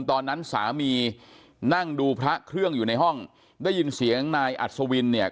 ตอนนั้นสามีนั่งดูพระเครื่องอยู่ในห้องได้ยินเสียงนายอัศวินเนี่ย